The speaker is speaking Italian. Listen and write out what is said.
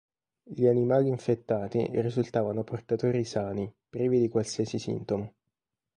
Gli animali infettati risultavano portatori sani, privi di qualsiasi sintomo.